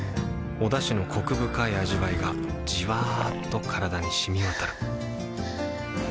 おだしのコク深い味わいがじわっと体に染み渡るはぁ。